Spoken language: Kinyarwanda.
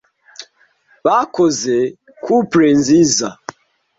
Bakoze couple nziza.